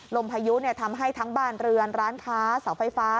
พายุทำให้ทั้งบ้านเรือนร้านค้าเสาไฟฟ้า